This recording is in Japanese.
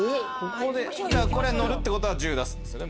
これは乗るってことは１０出すんですよね。